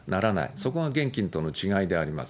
そこが現金との違いであります。